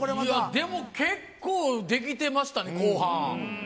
でも結構、できてましたね、後半。